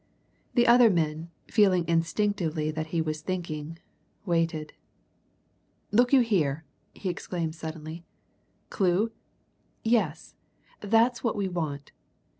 The other men, feeling instinctively that he was thinking, waited. "Look you here!" he exclaimed suddenly. "Clue? Yes, that's what we want.